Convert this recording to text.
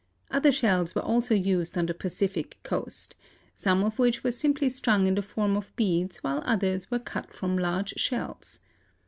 Other shells were also used on the Pacific coast, some of which were simply strung in the form of beads while others were cut from large shells.